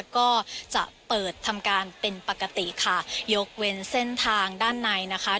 ก็จะเปิดทำการเป็นปกติค่ะยกเว้นเส้นทางด้านในนะคะ